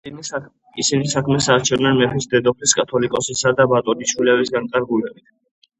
ისინი საქმეს არჩევდნენ მეფის, დედოფლის, კათალიკოსისა და ბატონიშვილების განკარგულებით.